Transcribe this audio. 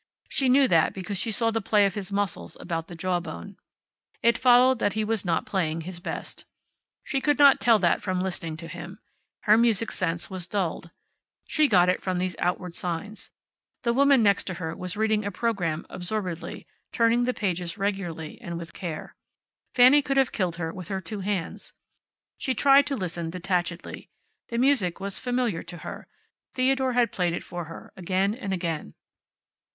She knew that because she saw the play of his muscles about the jaw bone. It followed that he was not playing his best. She could not tell that from listening to him. Her music sense was dulled. She got it from these outward signs. The woman next to her was reading a program absorbedly, turning the pages regularly, and with care. Fanny could have killed her with her two hands. She tried to listen detachedly. The music was familiar to her. Theodore had played it for her, again and again.